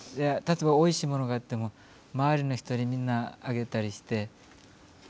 例えばおいしい物があっても周りの人にみんなあげたりして。